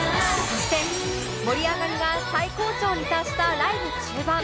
そして盛り上がりが最高潮に達したライブ中盤